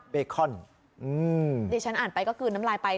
เบคอนดิฉันอ่านไปก็กลืนน้ำลายไป